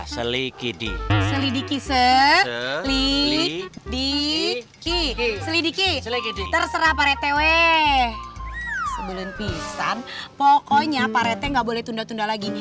sebelum pisang pokoknya pak rete gak boleh tunda tunda lagi